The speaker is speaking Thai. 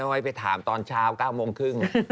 ต้องให้ไปถามตอนเช้า๙โมงครึ่ง